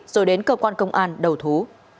rồi đến cơ quan công an đầu thú